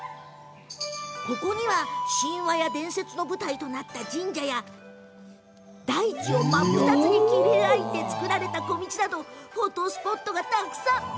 ここには神話や伝説の舞台となった神社や大地を真っ二つに切り開いて作られた小道などフォトスポットがたくさん。